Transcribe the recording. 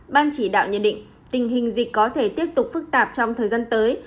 ban chỉ đạo nhận định tình hình dịch có thể tiếp tục phức tạp trong thời gian tới